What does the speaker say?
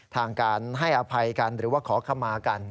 ทางการให้อภัยกันหรือว่าขอขมากัน